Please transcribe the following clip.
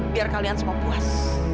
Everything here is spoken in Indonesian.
biar kalian semua puas